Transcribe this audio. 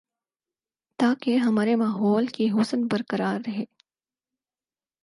تاکہ ہمارے ماحول کی حسن برقرار رہے